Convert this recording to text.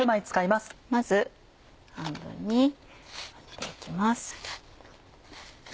まず半分に割って行きます。